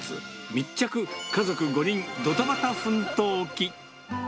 密着、家族５人ドタバタ奮闘記。